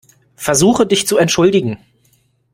Versuche, dich zu entschuldigen.